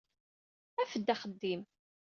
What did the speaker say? Af-d axeddim.